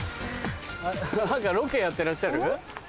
何かロケやってらっしゃる？